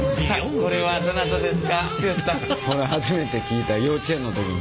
これ初めて聴いた幼稚園の時に。